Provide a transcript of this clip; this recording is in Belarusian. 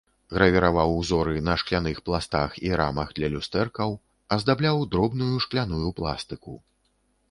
Гравіраваў узоры на шкляных пластах і рамах для люстэркаў, аздабляў дробную шкляную пластыку.